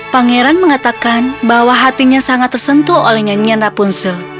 pangeran mengatakan bahwa hatinya sangat tersentuh oleh nyanyian rapunzel